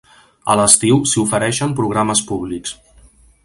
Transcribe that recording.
A l'estiu s'hi ofereixen programes públics.